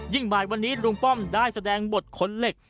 บ่ายวันนี้ลุงป้อมได้แสดงบทขนเหล็ก